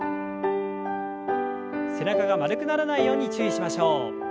背中が丸くならないように注意しましょう。